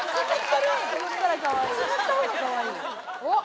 おっ！